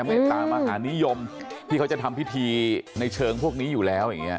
เมตตามหานิยมที่เขาจะทำพิธีในเชิงพวกนี้อยู่แล้วอย่างนี้